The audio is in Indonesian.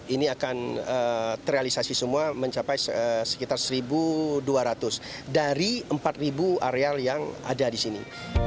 ini akan terrealisasi semua mencapai sekitar satu dua ratus dari empat areal yang ada di sini